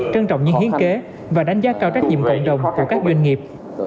trân trọng những hiến kế và đánh giá cao trách nhiệm cộng đồng của các doanh nghiệp